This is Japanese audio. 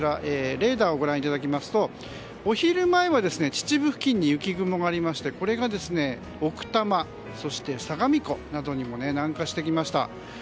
レーダーをご覧いただきますとお昼前は秩父付近に雪雲がありましてこれが奥多摩そして相模湖などにも南下してきました。